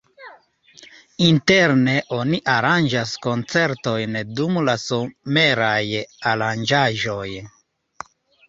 Interne oni aranĝas koncertojn dum la someraj aranĝaĵoj.